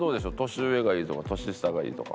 年上がいいとか年下がいいとか。